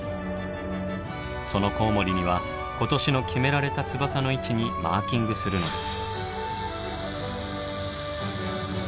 そのコウモリには今年の決められた翼の位置にマーキングするのです。